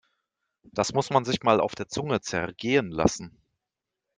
Das muss man sich mal auf der Zunge zergehen lassen!